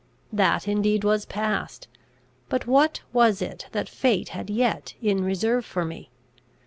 That indeed was past; but what was it that fate had yet in reserve for me!